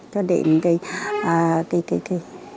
cho đến cái